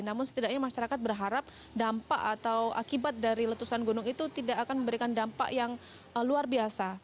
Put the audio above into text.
namun setidaknya masyarakat berharap dampak atau akibat dari letusan gunung itu tidak akan memberikan dampak yang luar biasa